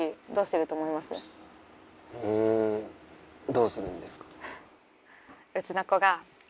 んどうするんですか？